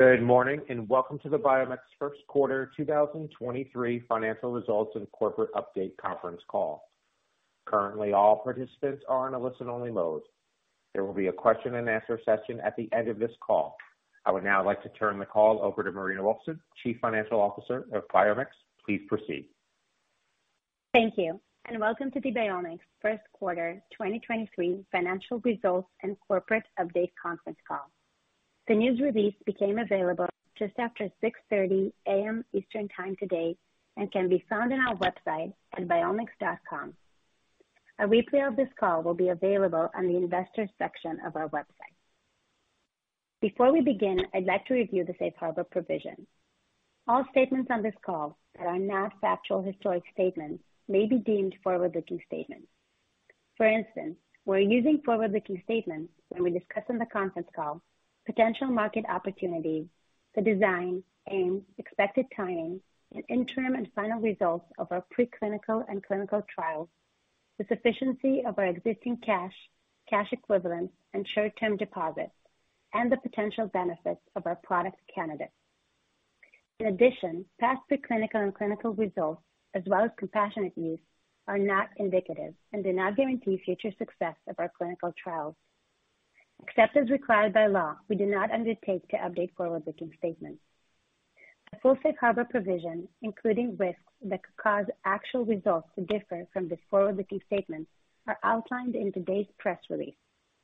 Good morning, welcome to the BiomX first quarter 2023 financial results and corporate update conference call. Currently, all participants are on a listen only mode. There will be a question and answer session at the end of this call. I would now like to turn the call over to Marina Wolfson, Chief Financial Officer of BiomX. Please proceed. Thank you, and welcome to the BiomX 1st quarter 2023 financial results and corporate update conference call. The news release became available just after 6:30 A.M. Eastern time today and can be found on our website at biomx.com. A replay of this call will be available on the investor section of our website. Before we begin, I'd like to review the Safe Harbor provision. All statements on this call that are not factual historic statements may be deemed forward-looking statements. For instance, we're using forward-looking statements when we discuss on the conference call potential market opportunities, the design, aims, expected timing and interim and final results of our pre-clinical and clinical trials, the sufficiency of our existing cash equivalents and short-term deposits, and the potential benefits of our product candidates. In addition, past pre-clinical and clinical results as well as compassionate use are not indicative and do not guarantee future success of our clinical trials. Except as required by law, we do not undertake to update forward-looking statements. The full Safe Harbor provision, including risks that could cause actual results to differ from this forward-looking statements, are outlined in today's press release,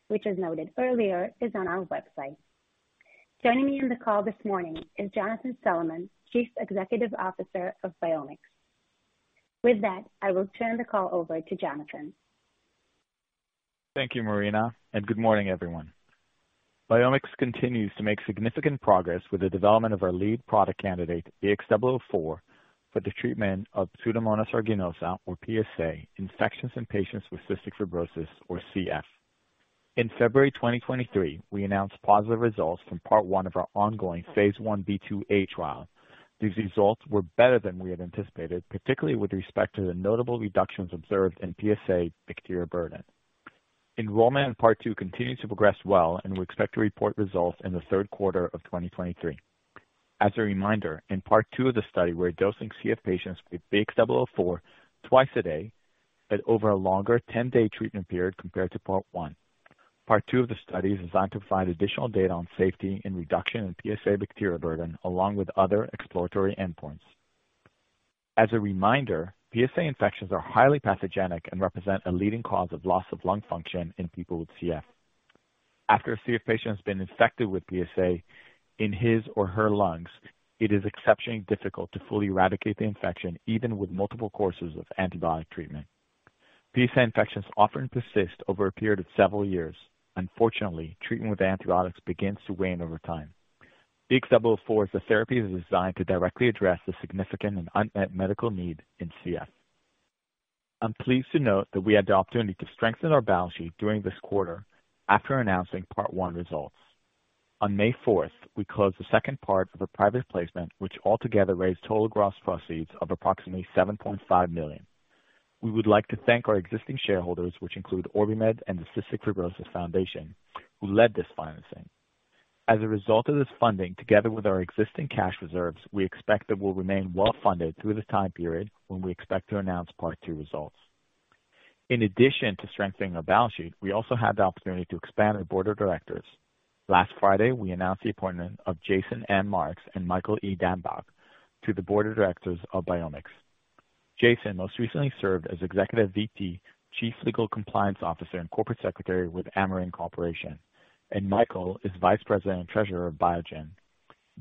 which as noted earlier, is on our website. Joining me in the call this morning is Jonathan Solomon, Chief Executive Officer of BiomX. With that, I will turn the call over to Jonathan. Thank you, Marina, and good morning, everyone. BiomX continues to make significant progress with the development of our lead product candidate, BX004, for the treatment of Pseudomonas aeruginosa, or PSA, infections in patients with cystic fibrosis, or CF. In February 2023, we announced positive results from part 1 of our ongoing phase Ib/IIa trial. These results were better than we had anticipated, particularly with respect to the notable reductions observed in PSA bacteria burden. Enrollment in part 2 continues to progress well, and we expect to report results in the third quarter of 2023. As a reminder, in part 2 of the study, we're dosing CF patients with BX004 twice a day, but over a longer 10-day treatment period compared to part 1. Part 2 of the study is designed to provide additional data on safety and reduction in PSA bacteria burden along with other exploratory endpoints. As a reminder, PSA infections are highly pathogenic and represent a leading cause of loss of lung function in people with CF. After a CF patient has been infected with PSA in his or her lungs, it is exceptionally difficult to fully eradicate the infection, even with multiple courses of antibiotic treatment. PSA infections often persist over a period of several years. Unfortunately, treatment with antibiotics begins to wane over time. BX004 as a therapy is designed to directly address the significant and unmet medical need in CF. I'm pleased to note that we had the opportunity to strengthen our balance sheet during this quarter after announcing part 1 results. On May 4th, we closed the second part of a private placement which altogether raised total gross proceeds of approximately $7.5 million. We would like to thank our existing shareholders, which include OrbiMed and the Cystic Fibrosis Foundation, who led this financing. As a result of this funding, together with our existing cash reserves, we expect that we'll remain well-funded through this time period when we expect to announce part 2 results. In addition to strengthening our balance sheet, we also had the opportunity to expand our board of directors. Last Friday, we announced the appointment of Jason M. Marks and Michael E. Dambach to the board of directors of BiomX. Jason most recently served as Executive VP, Chief Legal Compliance Officer, and Corporate Secretary with Amarin Corporation, and Michael is Vice President and Treasurer of Biogen.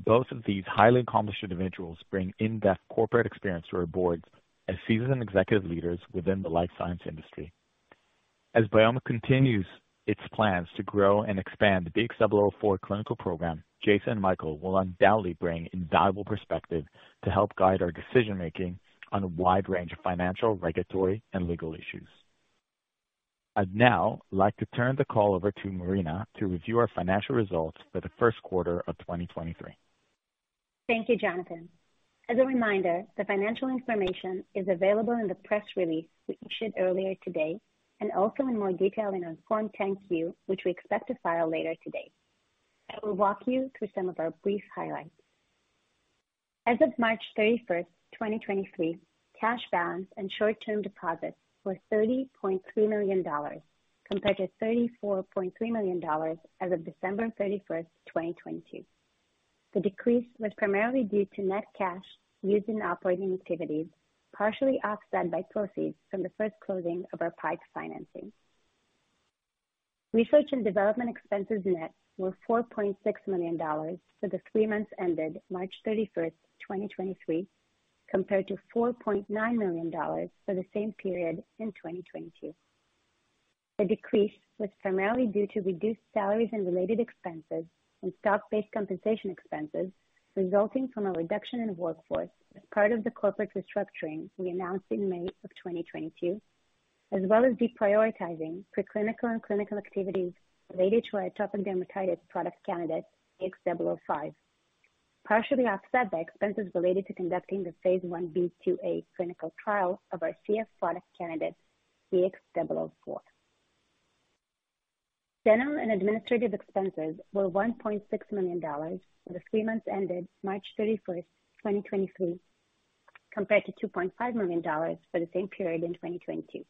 Both of these highly accomplished individuals bring in-depth corporate experience to our boards as seasoned executive leaders within the life science industry. As BiomX continues its plans to grow and expand the BX004 clinical program, Jason and Michael will undoubtedly bring invaluable perspective to help guide our decision-making on a wide range of financial, regulatory, and legal issues. I'd now like to turn the call over to Marina to review our financial results for the first quarter of 2023. Thank you, Jonathan. As a reminder, the financial information is available in the press release we issued earlier today and also in more detail in our Form 10-Q, which we expect to file later today. I will walk you through some of our brief highlights. As of March 31, 2023, cash balance and short-term deposits were $30.3 million, compared to $34.3 million as of December 31, 2022. The decrease was primarily due to net cash used in operating activities, partially offset by proceeds from the first closing of our PIPE financing. Research and development expenses net were $4.6 million for the three months ended March 31, 2023, compared to $4.9 million for the same period in 2022. The decrease was primarily due to reduced salaries and related expenses and stock-based compensation expenses resulting from a reduction in workforce as part of the corporate restructuring we announced in May of 2022, as well as deprioritizing pre-clinical and clinical activities related to our atopic dermatitis product candidate, BX005. Partially offset by expenses related to conducting the phase Ib/IIa clinical trial of our CF product candidate, BX004. General and administrative expenses were $1.6 million for the three months ended March 31st, 2023, compared to $2.5 million for the same period in 2022.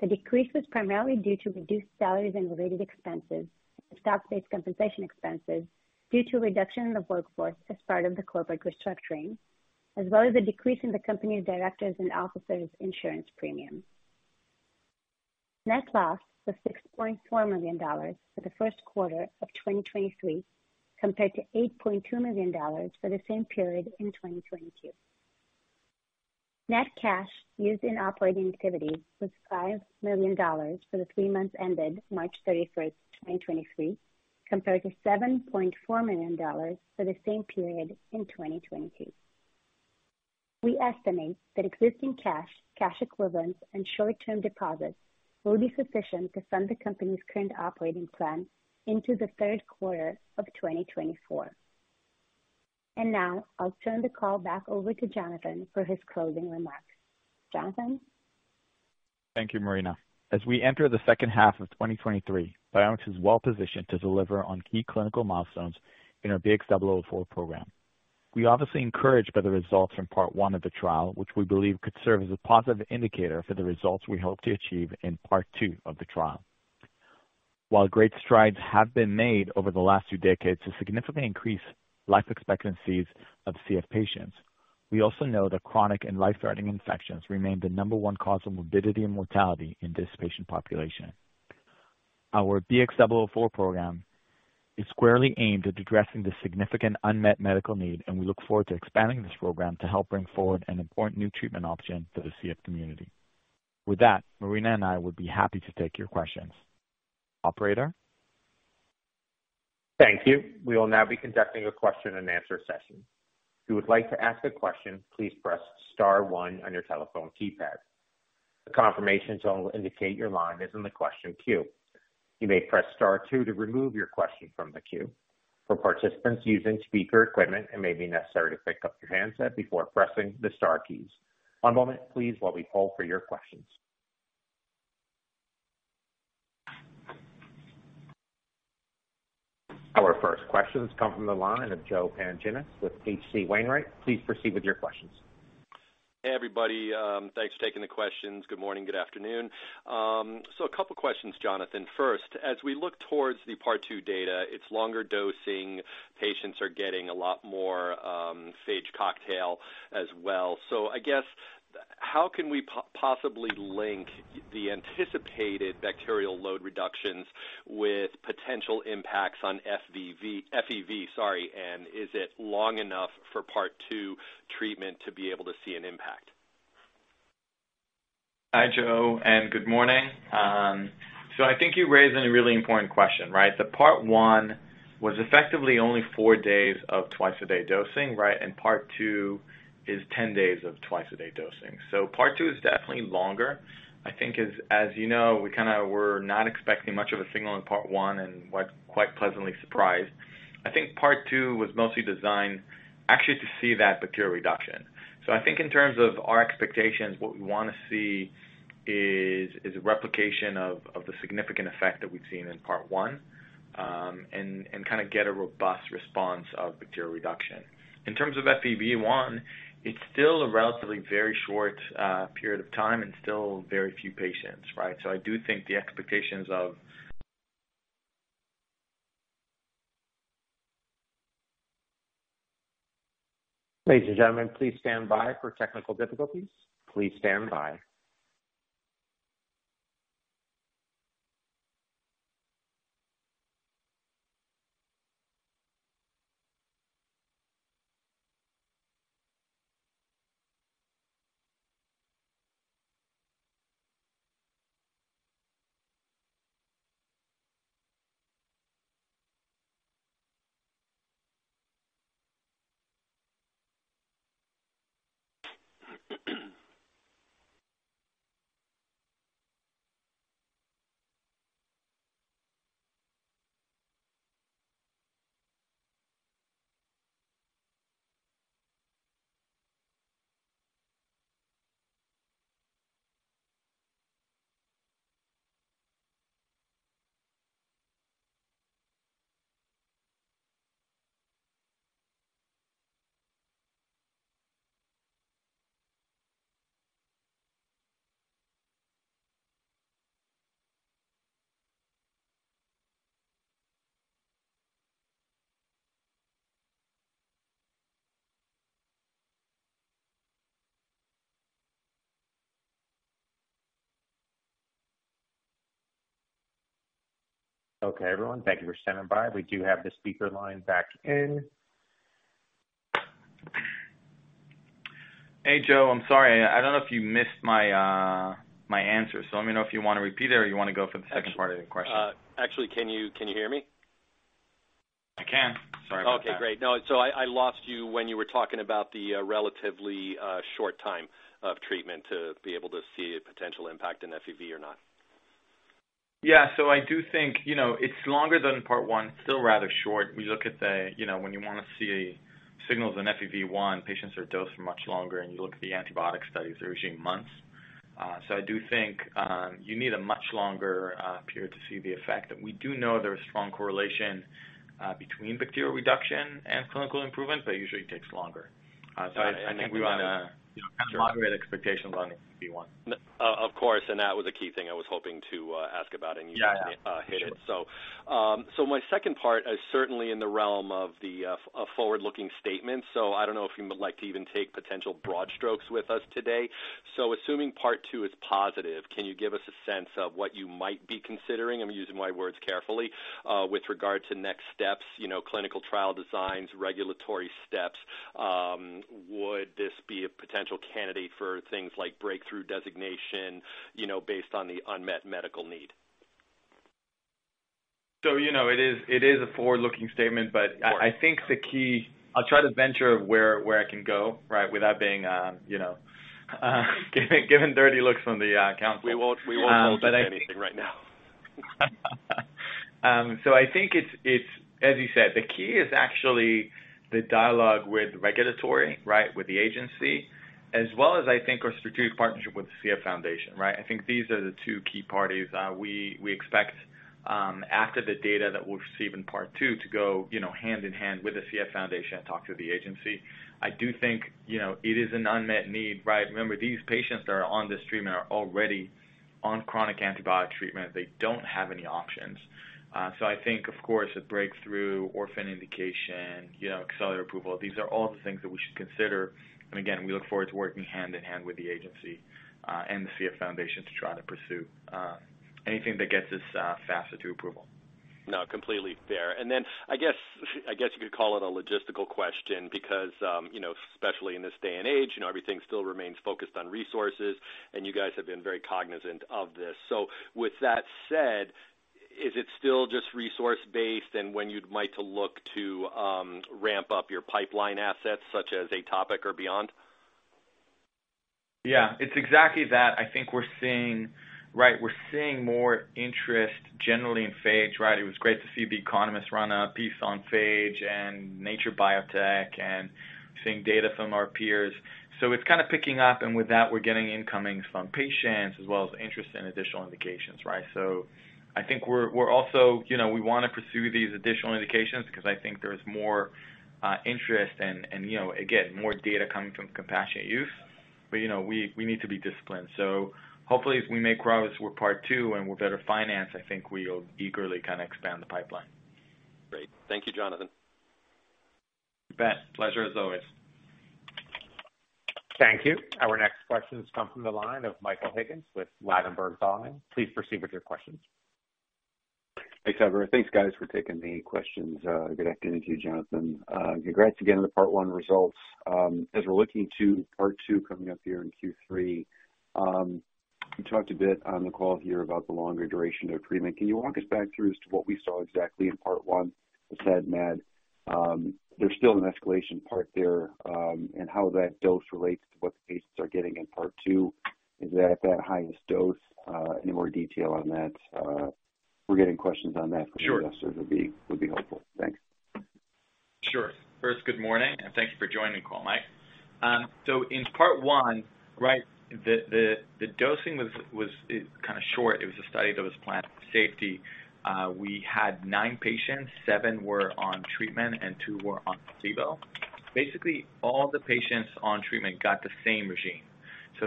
The decrease was primarily due to reduced salaries and related expenses, stock-based compensation expenses due to reduction in the workforce as part of the corporate restructuring, as well as a decrease in the company's directors and officers insurance premium. Net loss was $6.4 million for the first quarter of 2023, compared to $8.2 million for the same period in 2022. Net cash used in operating activities was $5 million for the three months ended March 31, 2023, compared to $7.4 million for the same period in 2022. We estimate that existing cash equivalents and short-term deposits will be sufficient to fund the company's current operating plan into the third quarter of 2024. Now I'll turn the call back over to Jonathan for his closing remarks. Jonathan? Thank you, Marina. As we enter the second half of 2023, BiomX is well positioned to deliver on key clinical milestones in our BX004 program. We obviously encouraged by the results from part 1 of the trial, which we believe could serve as a positive indicator for the results we hope to achieve in part 2 of the trial. While great strides have been made over the last two decades to significantly increase life expectancies of CF patients, we also know that chronic and life-threatening infections remain the number one cause of morbidity and mortality in this patient population. Our BX004 program is squarely aimed at addressing the significant unmet medical need. We look forward to expanding this program to help bring forward an important new treatment option for the CF community. With that, Marina and I would be happy to take your questions. Operator? Thank you. We will now be conducting a question and answer session. If you would like to ask a question, please press star one on your telephone keypad. The confirmation tone will indicate your line is in the question queue. You may press star two to remove your question from the queue. For participants using speaker equipment, it may be necessary to pick up your handset before pressing the star keys. One moment, please, while we call for your questions. Our first questions come from the line of Joseph Pantginis with H.C. Wainwright. Please proceed with your questions. Hey, everybody. Thanks for taking the questions. Good morning. Good afternoon. A couple questions, Jonathan. First, as we look towards the part 2 data, it's longer dosing. Patients are getting a lot more, phage cocktail as well. I guess how can we possibly link the anticipated bacterial load reductions with potential impacts on FEV? Sorry. Is it long enough for part 2 treatment to be able to see an impact? Hi, Joe, and good morning. I think you're raising a really important question, right? The part 1 was effectively only 4 days of 2x a day dosing, right? Part 2 is 10 days of 2x a day dosing. Part 2 is definitely longer. I think as you know, we kinda were not expecting much of a signal in part 1 and quite pleasantly surprised. I think part 2 was mostly designed actually to see that bacterial reduction. I think in terms of our expectations, what we wanna see is a replication of the significant effect that we've seen in part 1, and kinda get a robust response of bacterial reduction. In terms of FEV1, it's still a relatively very short period of time and still very few patients, right? I do think the expectations. Ladies and gentlemen, please stand by for technical difficulties. Please stand by. Okay, everyone, thank you for standing by. We do have the speaker line back in. Hey, Joe, I'm sorry. I don't know if you missed my answer. Let me know if you wanna repeat it or you wanna go for the second part of your question? Actually, can you hear me? I can. Sorry about that. Okay, great. I lost you when you were talking about the relatively short time of treatment to be able to see a potential impact in FEV or not. Yeah. I do think, you know, it's longer than part 1. It's still rather short. You know when you wanna see signals in FEV1, patients are dosed for much longer. You look at the antibiotic studies, they're usually months. I do think, you need a much longer period to see the effect. We do know there's strong correlation between bacterial reduction and clinical improvement, but it usually takes longer. I think we. You know, kind of moderate expectations on FEV1. Of course, that was a key thing I was hoping to ask about. Yeah, yeah. You hit it. Sure. My second part is certainly in the realm of the forward looking statements. I don't know if you would like to even take potential broad strokes with us today. Assuming part 2 is positive, can you give us a sense of what you might be considering, I'm using my words carefully, with regard to next steps, you know, clinical trial designs, regulatory steps? Would this be a potential candidate for things like Breakthrough Designation, you know, based on the unmet medical need? you know, it is a forward-looking statement, but I think the key. I'll try to venture where I can go, right, without being, you know, giving dirty looks from the council. We won't hold you to anything right now. I think it's, as you said, the key is actually the dialogue with regulatory, right, with the agency, as well as I think our strategic partnership with the CF Foundation, right. I think these are the two key parties, we expect, after the data that we'll receive in part 2 to go, you know, hand in hand with the CF Foundation and talk to the agency. I do think, you know, it is an unmet need, right. Remember, these patients that are on this treatment are already on chronic antibiotic treatment. They don't have any options. I think, of course, a breakthrough orphan indication, you know, Accelerated Approval, these are all the things that we should consider. Again, we look forward to working hand in hand with the agency, and the CF Foundation to try to pursue anything that gets us faster to approval. No, completely fair. Then I guess you could call it a logistical question because, you know, especially in this day and age, you know, everything still remains focused on resources, and you guys have been very cognizant of this. With that said, is it still just resource based and when you'd might to look to, ramp up your pipeline assets such as atopic or beyond? Yeah, it's exactly that. I think we're seeing, right, we're seeing more interest generally in phage, right? It was great to see The Economist run a piece on phage and Nature Biotechnology and seeing data from our peers. It's kind of picking up, and with that, we're getting incomings from patients as well as interest in additional indications, right? I think we're also, you know, we wanna pursue these additional indications because I think there's more interest and, you know, again, more data coming from compassionate use. You know, we need to be disciplined. Hopefully, if we make progress with part 2 and we're better financed, I think we'll eagerly kind of expand the pipeline. Great. Thank you, Jonathan. You bet. Pleasure as always. Thank you. Our next questions come from the line of Michael Higgins with Ladenburg Thalmann. Please proceed with your questions. Thanks, Everett. Thanks, guys, for taking the questions. Good afternoon to you, Jonathan. Congrats again on the part 1 results. As we're looking to part 2 coming up here in Q3, you talked a bit on the call here about the longer duration of treatment. Can you walk us back through as to what we saw exactly in part 1 with AdMed? There's still an escalation part there, and how that dose relates to what the patients are getting in part 2. Is that at that highest dose? Any more detail on that? We're getting questions on that from investors would be helpful. Thanks. Sure. First, good morning, thank you for joining the call, Mike. In part 1, right, the dosing was kind of short. It was a study that was planned for safety. We had nine patients. Seven were on treatment and two were on placebo. Basically, all the patients on treatment got the same regime.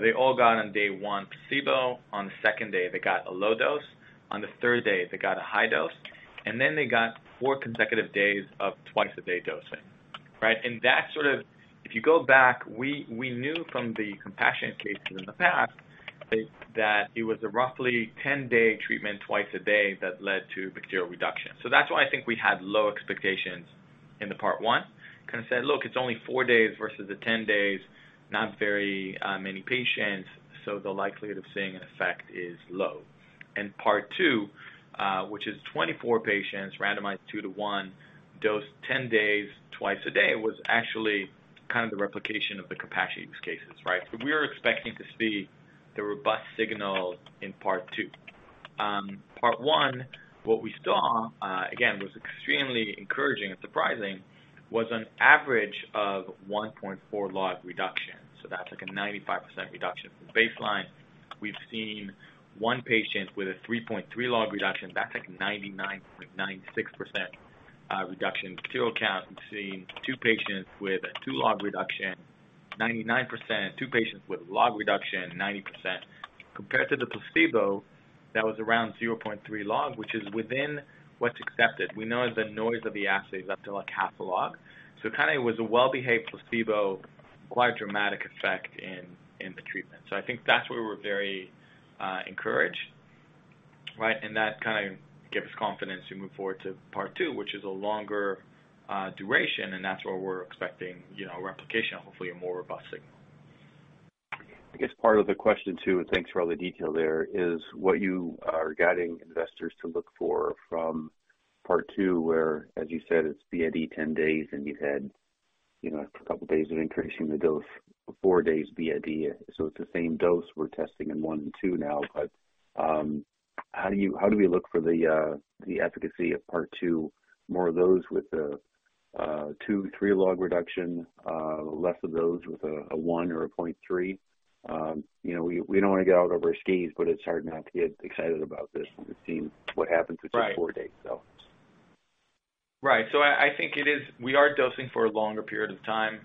They all got on day one, placebo. On the second day, they got a low dose. On the third day, they got a high dose. They got four consecutive days of twice a day dosing, right? If you go back, we knew from the compassionate cases in the past that it was a roughly 10-day treatment twice a day that led to bacterial reduction. That's why I think we had low expectations in the part 1. Kind of said, "Look, it's only 4 days versus the 10 days, not very, many patients, so the likelihood of seeing an effect is low." In part 2, which is 24 patients randomized 2 to 1, dosed 10 days twice a day, was actually kind of the replication of the compassionate use cases, right? part 1, what we saw, again, was extremely encouraging and surprising, was an average of 1.4 log reduction. That's like a 95% reduction from baseline. We've seen 1 patient with a 3.3 log reduction. That's like 99.96%, reduction in bacterial count. We've seen 2 patients with a 2 log reduction, 99%. 2 patients with log reduction, 90%. Compared to the placebo, that was around 0.3 log, which is within what's accepted. We know the noise of the assay is up to like half a log. It kind of was a well-behaved placebo, quite dramatic effect in the treatment. I think that's where we're very encouraged, right? That kind of gave us confidence to move forward to part 2, which is a longer duration, and that's where we're expecting, you know, replication, hopefully a more robust signal. I guess part of the question, too, and thanks for all the detail there, is what you are guiding investors to look for from part 2, where, as you said, it's BID 10 days, and you had, you know, a couple days of increasing the dose, 4 days BID. It's the same dose we're testing in 1 log and 2 log now. How do we look for the efficacy of part 2? More of those with the 2 log, 3 log reduction, less of those with a 1 log or a 0.3 log. You know, we don't wanna get out over our skis, but it's hard not to get excited about this and to see what happens with just 4 days. Right. I think it is we are dosing for a longer period of time.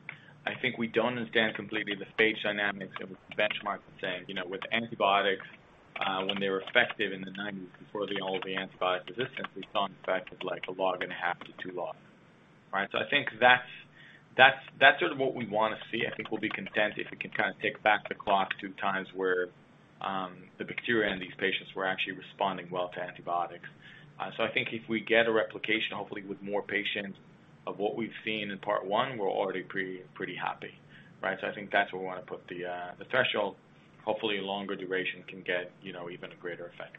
I think we don't understand completely the phage dynamics and benchmarks and saying, you know, with antibiotics, when they were effective in the nineties before the all the antibiotic resistance, we saw an effect of like 1.5 log to 2 log, right? I think that's sort of what we wanna see. I think we'll be content if we can kinda take back the clock to times where the bacteria and these patients were actually responding well to antibiotics. I think if we get a replication, hopefully with more patients of what we've seen in part 1, we're already pretty happy, right? I think that's where we wanna put the threshold. Hopefully longer duration can get, you know, even a greater effect.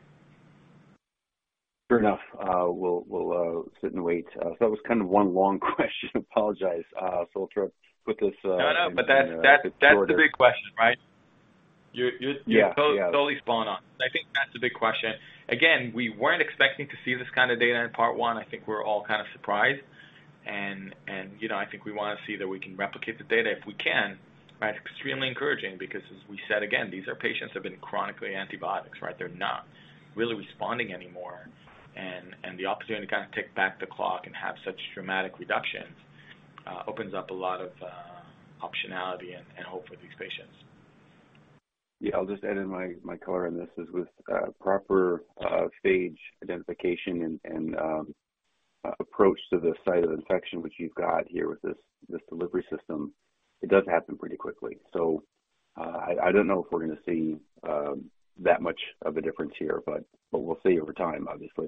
Fair enough. We'll sit and wait. That was kind of one long question. Apologize. We'll try put this. No, no, but that's, that's the big question, right? You're. Yeah. Yeah. totally spot on. I think that's the big question. Again, we weren't expecting to see this kind of data in part 1. I think we're all kind of surprised and, you know, I think we wanna see that we can replicate the data if we can, right? Extremely encouraging because as we said again, these are patients who have been chronically antibiotics, right? They're not really responding anymore. The opportunity to kind of take back the clock and have such dramatic reductions opens up a lot of optionality and hope for these patients. Yeah. I'll just add in my color on this is with proper phage identification and approach to the site of infection, which you've got here with this delivery system, it does happen pretty quickly. I don't know if we're gonna see that much of a difference here, but we'll see over time, obviously.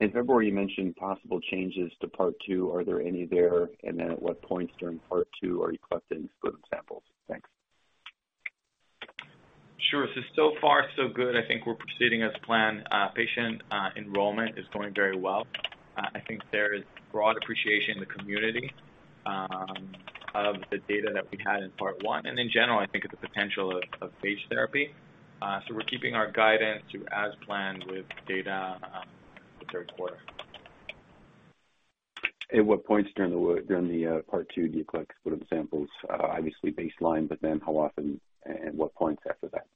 In February you mentioned possible changes to part 2. Are there any there? At what points during part 2 are you collecting sputum samples? Thanks. Sure. So far so good. I think we're proceeding as planned. Patient enrollment is going very well. I think there is broad appreciation in the community of the data that we had in part 1 and in general, I think of the potential of phage therapy. We're keeping our guidance to as planned with data the third quarter. At what points during the part 2 do you collect sputum samples? Obviously baseline, but then how often and what points after that?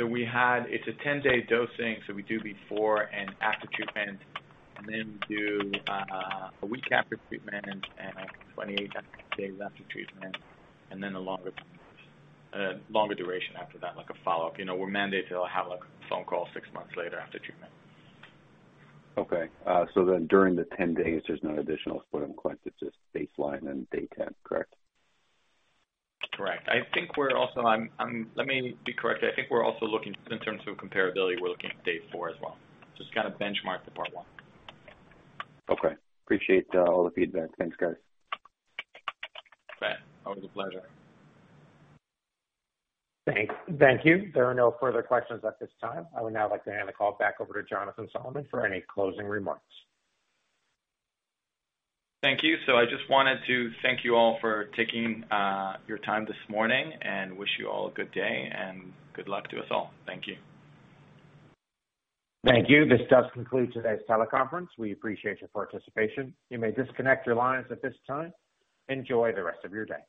It's a 10-day dosing, so we do before and after treatment. Then we do a week after treatment and 28 days after treatment. Then a longer duration after that, like a follow-up. You know, we're mandated to have a phone call 6 months later after treatment. Okay. during the 10 days, there's no additional sputum collected, just baseline and day 10, correct? Correct. I'm, let me be correct. I think we're also looking in terms of comparability, we're looking at day four as well. Just to kind of benchmark the part 1. Okay. Appreciate all the feedback. Thanks, guys. Okay. Always a pleasure. Thank you. There are no further questions at this time. I would now like to hand the call back over to Jonathan Solomon for any closing remarks. Thank you. I just wanted to thank you all for taking your time this morning and wish you all a good day and good luck to us all. Thank you. Thank you. This does conclude today's teleconference. We appreciate your participation. You may disconnect your lines at this time. Enjoy the rest of your day.